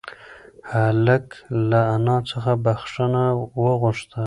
هلک له انا څخه بښنه وغوښته.